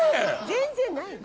全然ないの。